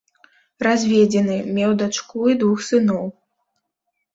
Разведзены, меў дачку і двух сыноў.